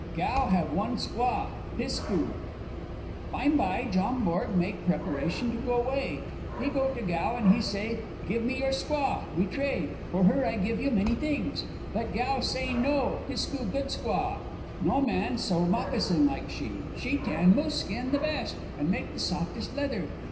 Gow have one squaw, Pisk ku. Bime by John Borg make preparation to go 'way. He go to Gow, and he say, 'Give me your squaw. We trade. For her I give you many things.' But Gow say no. Pisk ku good squaw. No woman sew moccasin like she. She tan moose skin the best, and make the softest leather.